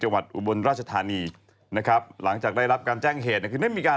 วัดอุบลราชธานีนะครับหลังจากได้รับการแจ้งเหตุเนี่ยคือได้มีการ